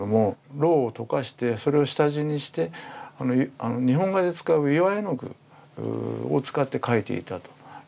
ロウを溶かしてそれを下地にして日本画で使う岩絵具を使って描いていたという証言もあったりして。